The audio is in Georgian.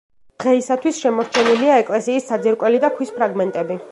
დღეისათვის შემორჩენილია ეკლესიის საძირკველი და ქვის ფრაგმენტები.